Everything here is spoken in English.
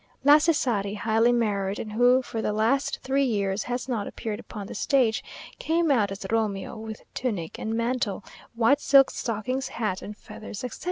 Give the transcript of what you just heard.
La Cesari, highly married, and who for the last three years has not appeared upon the stage, came out as Romeo, with tunic and mantle, white silk stockings, hat, and feathers, etc.